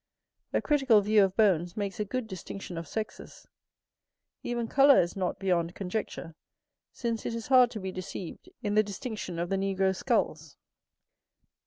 A critical view of bones makes a good distinction of sexes. Even colour is not beyond conjecture, since it is hard to be deceived in the distinction of the Negroes' skulls.